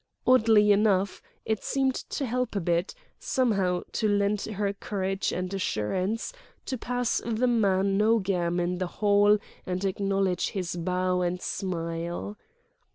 Oddly enough, it seemed to help a bit, somehow to lend her courage and assurance, to pass the man Nogam in the hall and acknowledge his bow and smile.